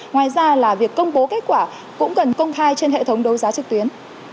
ngoài ra là việc công bố kết quả cũng cần công thai trên hệ thống đấu giá trực tuyến